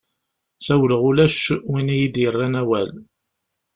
Sawleɣ ulac win iyi-d-yerran awal.